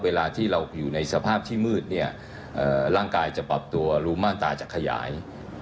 เวลาที่เราอยู่ในสภาพที่มืดเนี่ยร่างกายจะปรับตัวรู้มาตราจะขยาย